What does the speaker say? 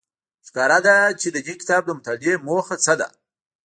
ښکاره ده چې د دې کتاب د مطالعې موخه څه ده.